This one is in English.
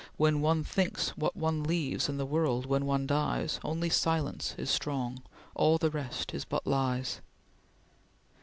"When one thinks what one leaves in the world when one dies, Only silence is strong, all the rest is but lies."